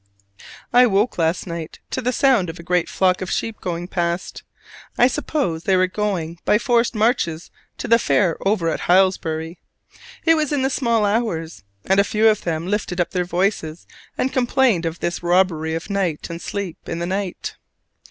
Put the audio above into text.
I woke last night to the sound of a great flock of sheep going past. I suppose they were going by forced marches to the fair over at Hylesbury: It was in the small hours: and a few of them lifted up their voices and complained of this robbery of night and sleep in the night.